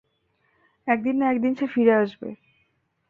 একদিন না একদিন সে ফিরে আসবে।